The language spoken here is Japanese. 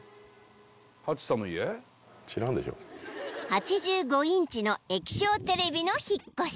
［８５インチの液晶テレビの引っ越し］